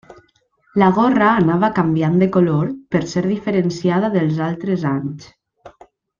La Gorra anava canviant de color per ser diferenciada dels altres anys.